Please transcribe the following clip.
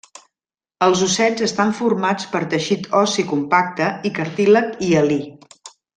Els ossets estan formats per teixit ossi compacte i cartílag hialí.